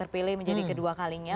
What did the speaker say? pilih menjadi kedua kalinya